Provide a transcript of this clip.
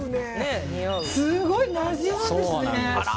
すごい、なじむんですね。